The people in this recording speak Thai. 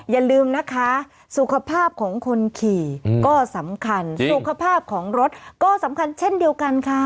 อย่าลืมนะคะสุขภาพของคนขี่ก็สำคัญสุขภาพของรถก็สำคัญเช่นเดียวกันค่ะ